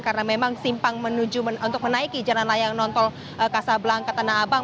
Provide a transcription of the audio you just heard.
karena memang simpang untuk menaiki jalan layang nontol kasabelangkat dan abang